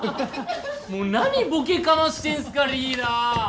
もう何ボケかましてんすかリーダー